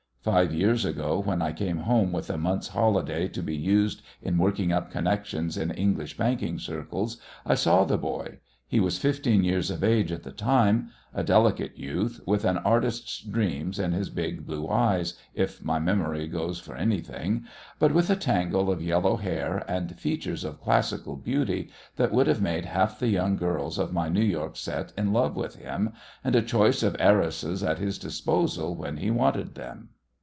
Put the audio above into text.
Five years ago, when I came home with a month's holiday to be used in working up connections in English banking circles, I saw the boy. He was fifteen years of age at the time, a delicate youth, with an artist's dreams in his big blue eyes, if my memory goes for anything, but with a tangle of yellow hair and features of classical beauty that would have made half the young girls of my New York set in love with him, and a choice of heiresses at his disposal when he wanted them.